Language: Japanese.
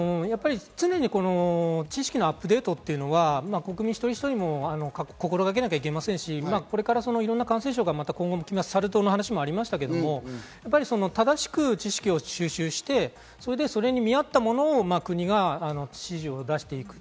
常に知識のアップデートというのは、国民一人一人が心掛けなければいけませんし、これからいろんな感染症が今、サル痘の話もありましたが、正しく知識を収集してそれに見合ったものを国が指示を出していく。